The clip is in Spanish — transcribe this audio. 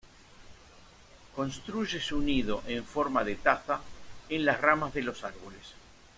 Construye su nido en forma de taza en las ramas de los árboles.